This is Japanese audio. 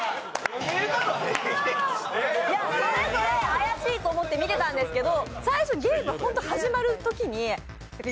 怪しいと思って見てたんですけど。